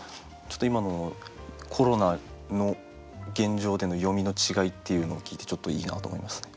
今のコロナの現状での読みの違いっていうのを聞いてちょっといいなと思いますね。